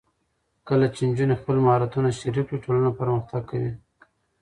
کله چې نجونې خپل مهارتونه شریک کړي، ټولنه پرمختګ کوي.